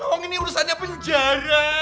awang ini urusannya penjara